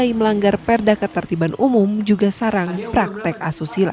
yang melanggar perda ketertiban umum juga sarang praktek asusila